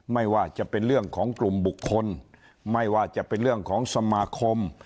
ไม่ว่าจะเป็นเรื่องของกลุ่มบุคคลไม่ว่าจะเป็นเรื่องของสมาคม